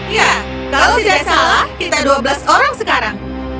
ya kalau tidak salah kita dua belas orang sekarang